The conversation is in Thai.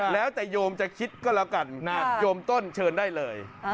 แล้วแต่โยมจะคิดก็แล้วกันโยมต้นเชิญได้เลย